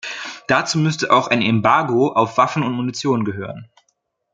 Dazu müsste auch ein Embargo auf Waffen und Munition gehören.